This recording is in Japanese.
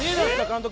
監督！